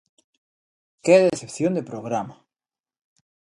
Que decepción de programa!